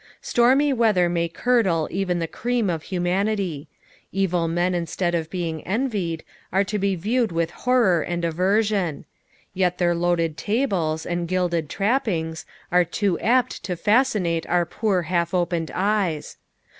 Stormy weather may curdle even the cream of humanity. Evil men instead of being envied, are to be viewed with horror and avereina ; yet their loaded tables, and gilded trappings, are too apt to fuBcinate our poor hslf opeaed eyes.